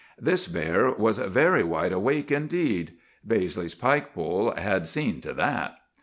This bear was very wide awake indeed; Baizley's pike pole had seen to that!